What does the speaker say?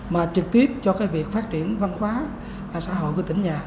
mà trực tiếp cho cái việc phát triển văn hóa xã hội của tỉnh nhà